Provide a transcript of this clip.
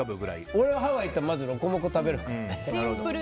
俺はハワイ行ったらまずロコモコを食べるから。